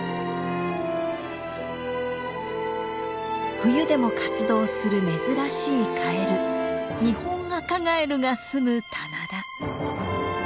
冬でも活動する珍しいカエルニホンアカガエルが住む棚田。